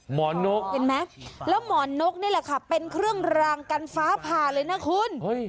นกเห็นไหมแล้วหมอนกนี่แหละค่ะเป็นเครื่องรางกันฟ้าผ่าเลยนะคุณ